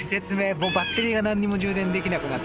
もうバッテリーが何にも充電できなくなって。